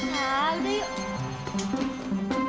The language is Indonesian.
nah udah yuk